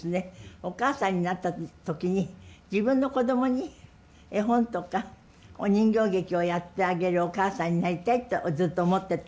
お母さんになった時に自分のこどもに絵本とかお人形劇をやってあげるお母さんになりたいとずっと思ってて。